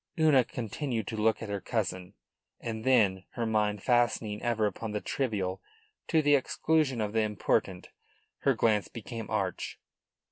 Una continued to look at her cousin, and then, her mind fastening ever upon the trivial to the exclusion of the important, her glance became arch.